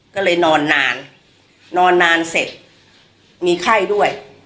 ก็เลยนอนนานนอนนานเสร็จมีไข้ด้วย